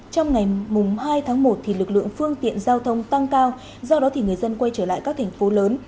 trong ngày hai tháng một lực lượng phương tiện giao thông tăng cao do đó người dân quay trở lại các thành phố lớn